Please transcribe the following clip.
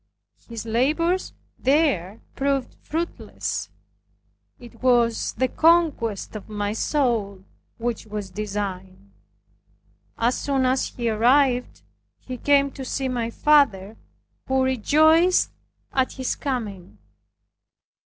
His labors there proved fruitless. It was the conquest of my soul which was designed. As soon as he arrived he came to see my father who rejoiced at his coming.